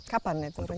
kapan itu rencana